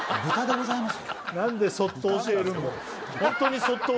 何でそっと教えるんだろう